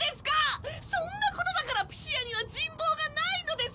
そんなことだからピシアには人望がないのです！